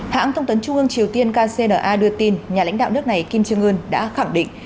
hãng thông tấn trung ương triều tiên kcna đưa tin nhà lãnh đạo nước này kim trương ươn đã khẳng định